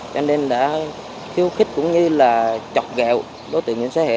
cho nên là khiêu khích cũng như là chọc gẹo đối tượng nguyễn thế hệ